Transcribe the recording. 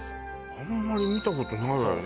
あんまり見たことないわよね